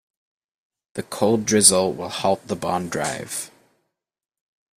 The cold drizzle will halt the bond drive.